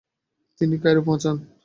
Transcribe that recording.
তিনি কায়রো পৌছান।